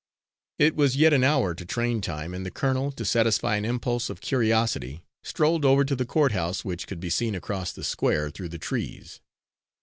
It was yet an hour to train time, and the colonel, to satisfy an impulse of curiosity, strolled over to the court house, which could be seen across the square, through the trees.